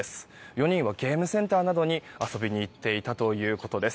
４人はゲームセンターなどに遊びに行っていたということです。